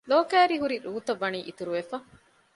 ލޯކައިރީ ހުރި ރޫތައް ވަނީ އިތުރު ވެފަ